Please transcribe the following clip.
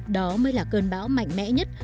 đó mới là cơn bão mạnh mẽ nhất